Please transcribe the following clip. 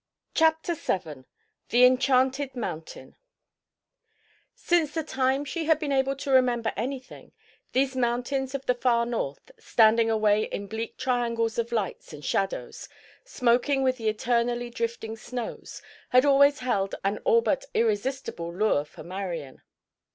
CHAPTER VII THE ENCHANTED MOUNTAIN Since the time she had been able to remember anything, these mountains of the far north, standing away in bleak triangles of lights and shadows, smoking with the eternally drifting snows, had always held an all but irresistible lure for Marian.